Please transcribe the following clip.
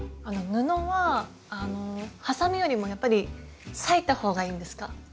布ははさみよりもやっぱり裂いた方がいいんですか？